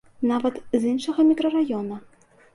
Нават з іншага мікрараёна.